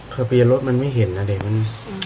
เคยไปรถมันไม่เห็นนะเด็กมัน